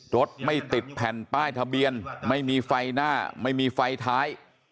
รถไม่ติดแผ่นป้ายทะเบียนไม่มีไฟหน้าไม่มีไฟท้าย